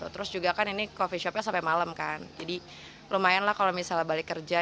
terus juga kan ini coffee shopnya sampai malam kan jadi lumayan lah kalau misalnya balik kerja